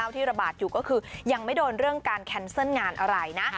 ที่ระบาดอยู่ก็คือยังไม่โดนเรื่องการแคนเซิลงานอะไรนะ